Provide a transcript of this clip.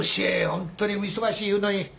ホントに忙しいいうのに。